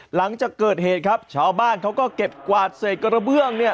หลังจากเกิดเหตุครับชาวบ้านเขาก็เก็บกวาดเศษกระเบื้องเนี่ย